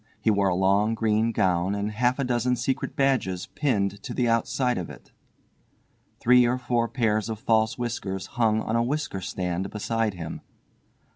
He wore a long green gown and half a dozen secret badges pinned to the outside of it. Three or four pairs of false whiskers hung on a whisker stand beside him.